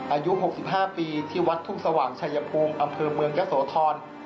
อายุ๖๕ปีที่วัดทุ่งสว่างชัยภูมิอำเภอเมืองยะโสธร